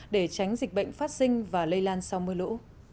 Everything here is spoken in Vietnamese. để tránh dịch bệnh phát sinh và lây lan sau mưa lũ